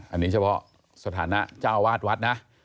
อันนี้เฉพาะสถานะเจ้าวาดวัดนะ